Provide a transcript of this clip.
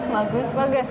bagus bagus ya